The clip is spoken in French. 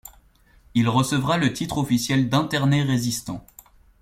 Il recevra le titre officiel d'interné résistant.